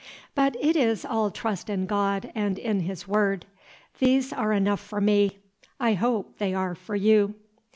But it is all trust in God and in his Word. These are enough for me; I hope they are for you."